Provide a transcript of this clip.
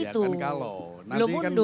itu kan kalau